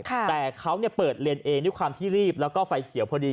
แต่เขาเปิดเลนส์เองด้วยความที่รีบแล้วก็ไฟเขียวพอดี